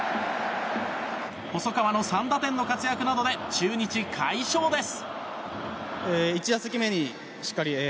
細川の３打点の活躍などで中日、快勝です。